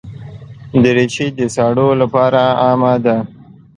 دریشي د سړو لپاره عامه ده.